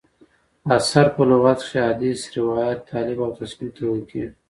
اثر: په لغت کښي حدیث، روایت، تالیف او تصنیف ته ویل کیږي.